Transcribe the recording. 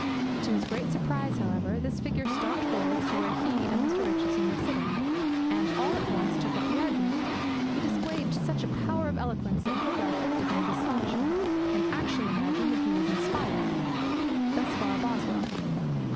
To his great surprise, however, this figure stalked forwards to where he and Mr. Richardson were sitting, and all at once took up the argument. He displayed such a power of eloquence that Hogarth looked at him with astonishment, and actually imagined that he was inspired.' Thus far Boswell.